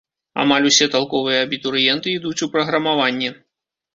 Амаль усе талковыя абітурыенты ідуць у праграмаванне.